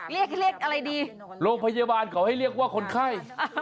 เรียกเรียกอะไรดีโรงพยาบาลเขาให้เรียกว่าคนไข้